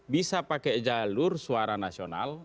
bisa pakai jalur suara nasional